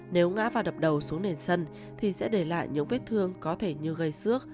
nếu ngã và đập đầu xuống nền sân thì sẽ để lại những vết thương có thể như gây xước